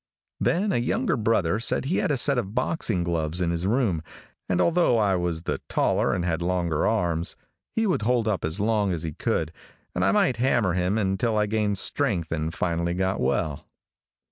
Then a younger brother said he had a set of boxing gloves in his room, and although I was the taller and had longer arms, he would hold up as long its he could., and I might hammer him until I gained strength and finally got well.